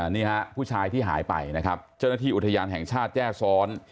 นี่ฮะผู้ชายที่หายไปนะครับเจ้าหน้าที่อุทยานแห่งชาติแจ้ซ้อน